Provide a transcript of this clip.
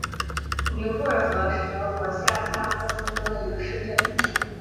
宁布尔格是德国下萨克森州的一个市镇。